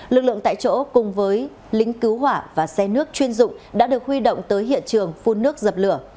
lực lượng tại chỗ cùng với lính cứu hỏa và xe nước chuyên dụng đã được huy động tới hiện trường phun nước dập lửa